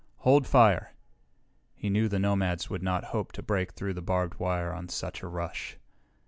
"Hold fire." He knew the nomads would not hope to break through the barbed wire on such a rush.